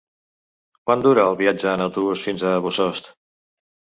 Quant dura el viatge en autobús fins a Bossòst?